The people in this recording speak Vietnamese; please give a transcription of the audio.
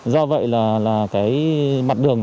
do vậy là cái mặt đường